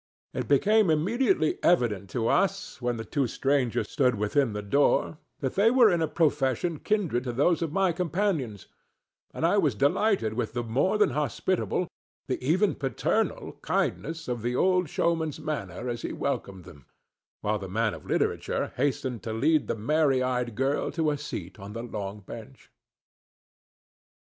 It became immediately evident to us, when the two strangers stood within the door, that they were of a profession kindred to those of my companions, and I was delighted with the more than hospitable—the even paternal—kindness of the old showman's manner as he welcomed them, while the man of literature hastened to lead the merry eyed girl to a seat on the long bench.